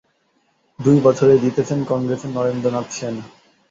দুই বছরেই জিতেছেন কংগ্রেসের নরেন্দ্র নাথ সেন।